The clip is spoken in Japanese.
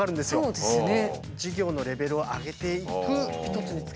そうですよね。